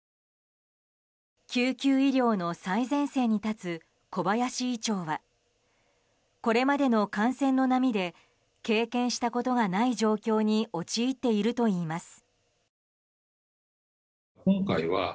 救急医療の最前線に立つ小林医長はこれまでの感染の波で経験したことがない状況に陥っているといいます。